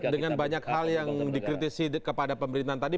dengan banyak hal yang dikritisi kepada pemerintahan tadi